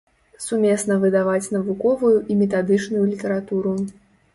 Сумесна выдаваць навуковую і метадычную літаратуру.